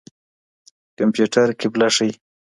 کمپيوټر قبله ښيي.